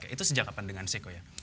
itu sejak kapan dengan sequoia